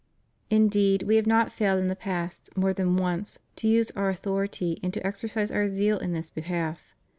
Indeed We have not failed in the past, more than once, to use Our authority and to exercise Our zeal in this behalf.